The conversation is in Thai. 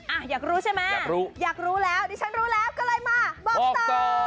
อ่ะอยากรู้ใช่ไหมอยากรู้อยากรู้แล้วดิฉันรู้แล้วก็เลยมาบอกต่อ